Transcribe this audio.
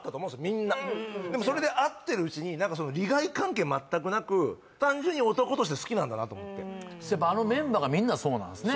みんなでもそれで会ってるうちに利害関係全くなく単純に男として好きなんだなと思ってあのメンバーがみんなそうなんですね